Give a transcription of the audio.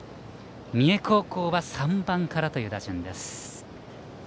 三重高校は３番からという打順。